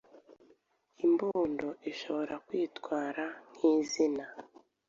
Imbundo ishobora kwitwara nk’izina: